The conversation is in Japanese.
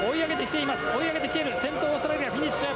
先頭オーストラリアフィニッシュ。